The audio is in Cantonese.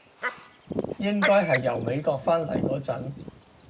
應該係由美國返嚟嗰陣